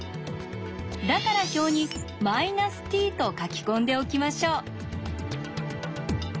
だから表に「−ｔ」と書き込んでおきましょう。